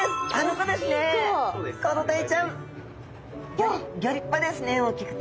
ギョ立派ですね大きくて。